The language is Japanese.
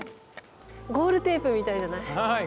ゴールテープみたいじゃない？